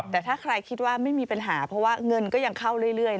แต่ถ้าใครคิดว่าไม่มีปัญหาเพราะว่าเงินก็ยังเข้าเรื่อย